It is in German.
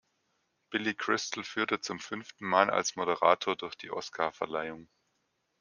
Billy Crystal führte zum fünften Mal als Moderator durch die Oscarverleihung.